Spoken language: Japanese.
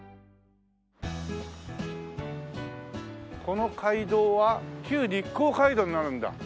この街道は旧日光街道になるんだ。